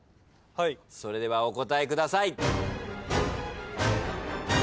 それではお答えください。